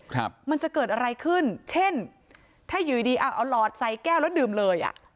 ครับมันจะเกิดอะไรขึ้นเช่นถ้าอยู่ดีดีเอาหลอดใส่แก้วแล้วดื่มเลยอ่ะ